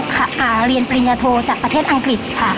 เรียนปริญญาโทจากประเทศอังกฤษค่ะ